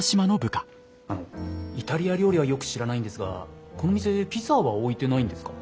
あのイタリア料理はよく知らないんですがこの店ピザは置いてないんですか？